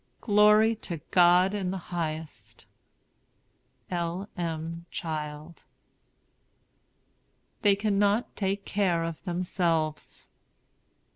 Glory to God in the highest!" L. M. CHILD. "THEY CANNOT TAKE CARE OF THEMSELVES."